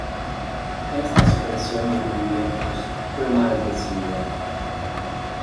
Esta supresión de privilegios fue mal recibida.